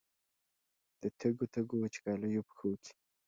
د تږو، تږو، وچکالیو پښو کې